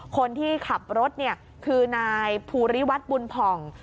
คนที่ขับรถคือนายภูริวัฒน์บุญผ่อง